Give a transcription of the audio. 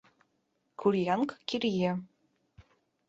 — Курьянг-кирье!..